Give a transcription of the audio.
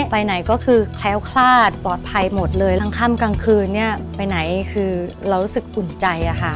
ไปไหนก็คือแคล้วคลาดปลอดภัยหมดเลยทั้งค่ำกลางคืนเนี่ยไปไหนคือเรารู้สึกอุ่นใจอะค่ะ